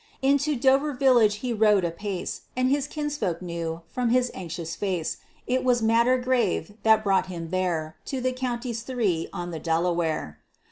Into Dover village he rode apace, And his kinsfolk knew, from his anxious face, It was matter grave that brought him there, To the counties three on the Delaware.